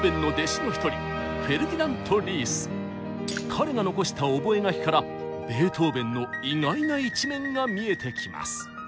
彼が残した覚書からベートーベンの意外な一面が見えてきます。